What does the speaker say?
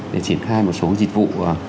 để triển khai một số dịch vụ